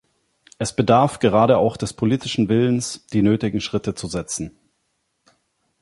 Es bedarf gerade auch des politischen Willens, die nötigen Schritte zu setzen.